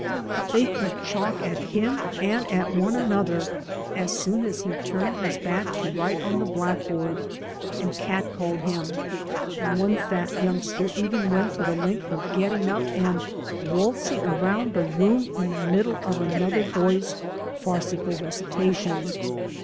They threw chalk at him and at one another as soon as he turned his back to write on the blackboard, and cat called him, and one fat youngster even went to the length of getting up and waltzing around the room in the middle of another boy's farcical recitation.